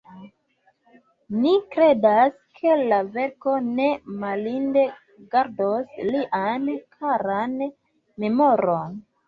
Ni kredas, ke la verko ne malinde gardos lian karan memoron.